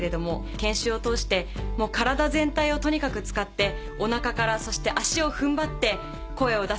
研修を通して体全体をとにかく使ってお腹からそして足を踏ん張って声を出す。